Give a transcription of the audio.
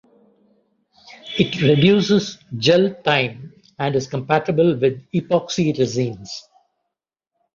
It reduces gel time and is compatible with epoxy resins.